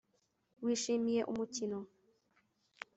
wishimiye umukino